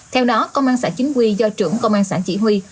theo đó công an xã chính quy do trưởng công an xã chỉ huy